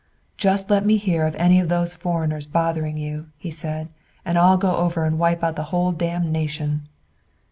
"Just let me hear of any of those foreigners bothering you," he said, "and I'll go over and wipe out the whole damned nation."